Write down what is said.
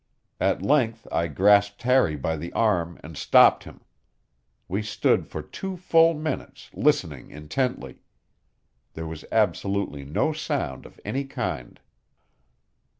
At length I grasped Harry by the arm and stopped him. We stood for two full minutes listening intently. There was absolutely no sound of any kind.